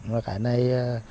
và cái này